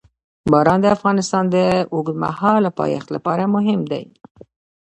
باران د افغانستان د اوږدمهاله پایښت لپاره مهم دی.